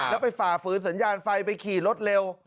แล้วไปฝ่าฝืนสัญญาณไฟไปขี่รถเร็ว